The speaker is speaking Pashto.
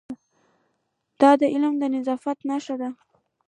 دا د علم د انعطاف نښه ده.